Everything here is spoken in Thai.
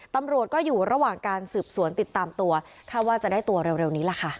ตำรวจก็อยู่ระหว่างการสืบสวนติดตามตัวคาดว่าจะได้ตัวเร็วนี้แหละค่ะ